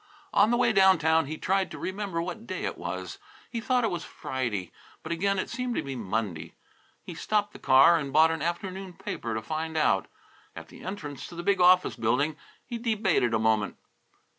On the way downtown he tried to remember what day it was. He thought it was Friday, but again it seemed to be Monday. He stopped the car and bought an afternoon paper to find out. At the entrance to the big office building he debated a moment.